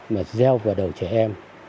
mà gieo vào đầu trẻ em